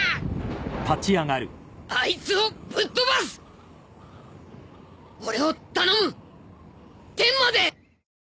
アイツをぶっ飛ばすッ俺を頼む天まで！